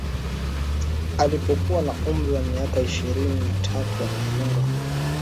Alipokuwa na umri wa miaka ishirini na tatu alifunga